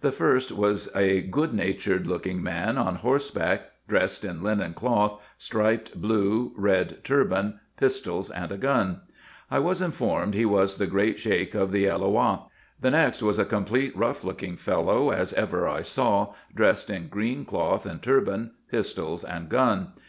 The first was a good natured looking man on horseback, dressed in linen cloth, striped blue, red turban, pistols, and a gun. I was informed he was the Great Sheik of the Eiloah. The next was a complete rough looking fellow as ever I saw, dressed in green cloth and turban, pistols and gun.